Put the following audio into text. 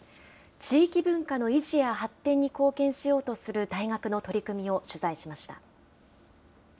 地域文化の維持や発展に貢献しようとする大学の取り組みを取材しました。